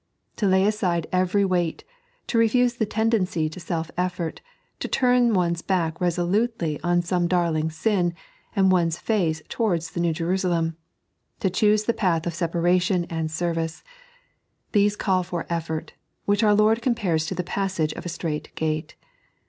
To lay aside every weight, to refuse the tendency to self effort, to turn one's back resolutely on some d'"'l'"g sin, and one's face towards the New Jerusalem, to choose the path of separation and service — ^these call for effort, which our Lord compares to the passage of a strait gate.